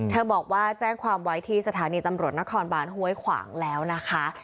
บอกว่าแจ้งความไว้ที่สถานีตำรวจนครบานห้วยขวางแล้วนะคะ